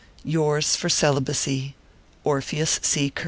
9 Yours, for celibacy, ORPHEUS C.